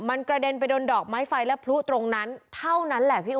มันกระเด้นไปโดนดอกไม้ไฟและพลูตรงนั้น